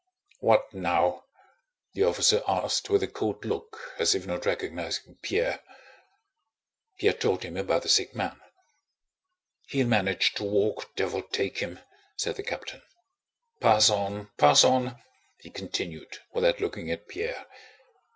"What now?" the officer asked with a cold look as if not recognizing Pierre. Pierre told him about the sick man. "He'll manage to walk, devil take him!" said the captain. "Pass on, pass on!" he continued without looking at Pierre.